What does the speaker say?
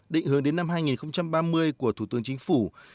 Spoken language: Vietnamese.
định hướng đến năm hai nghìn ba mươi của thủ tướng chính phủ